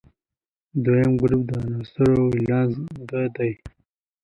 د دویم ګروپ د عنصرونو ولانس دوه دی.